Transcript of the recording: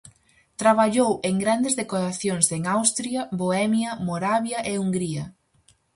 Traballou en grandes decoracións en Austria, Bohemia, Moravia e Hungría.